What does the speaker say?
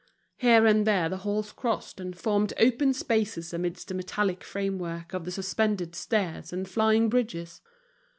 Here and there the halls crossed and formed open spaces amidst the metallic framework of the suspended stairs and flying bridges.